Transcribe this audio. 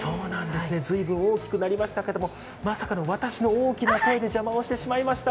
ずいぶん大きくなりましたが、まさかの私の大声で隠れてしまいました。